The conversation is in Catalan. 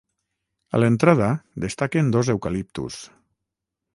A l'entrada destaquen dos eucaliptus.